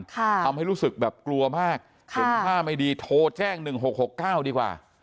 ทำให้รู้สึกแบบกลัวมากเห็นท่าไม่ดีโทรแจ้ง๑๖๖๙ดีกว่า